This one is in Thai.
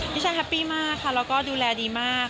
พี่ชายแฮปปี้มากค่ะแล้วก็ดูแลดีมาก